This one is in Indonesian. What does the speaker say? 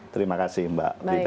terima kasih mbak